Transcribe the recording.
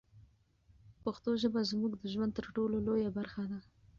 پښتو ژبه زموږ د ژوند تر ټولو لویه برخه ده.